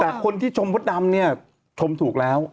แต่คนที่ชมมดดำเนี่ยชมถูกแล้ว